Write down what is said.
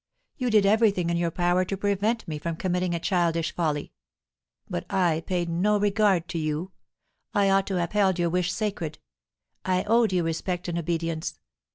You did everything in your power to prevent me from committing a childish folly. But I paid no regard to you. I ought to have held your wish sacred; I owed you respect and obedience.